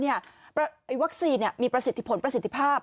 วัคซีนมีประสิทธิผลประสิทธิภาพ